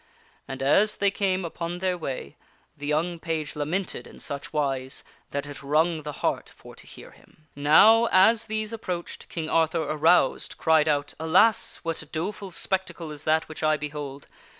And, as they came upon their way, the young page lamented in such wise that it wrung the heart for to hear him. Now, as these approached, King Arthur aroused cried out," Alas ! what doleful spectacle is that which I behold